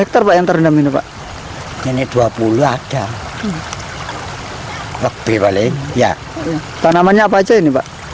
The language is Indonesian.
tanamannya apa saja ini pak